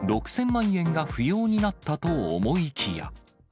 ６０００万円が不要になったと思いきや。